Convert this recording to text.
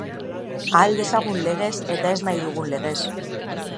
Ahal dezagun legez eta ez nahi dugun legez.